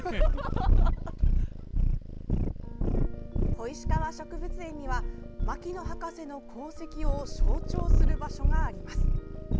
小石川植物園には牧野博士の功績を象徴する場所があります。